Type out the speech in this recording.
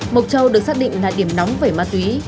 mộc châu được xác định là điểm nóng về ma túy